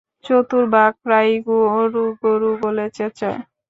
চতুর বাঘ প্রায়ই গরু গরু বলে চেঁচায়।